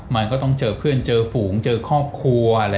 มันก็ต้องเจอเพื่อนเจอฝูงเจอครอบครัว